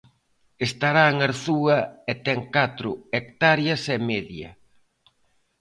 Estará en Arzúa e ten catro hectáreas e media.